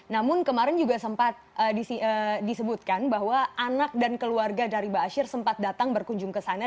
namun kemarin juga sempat disebutkan bahwa anak dan keluarga dari baasyir sempat datang berkunjung kesana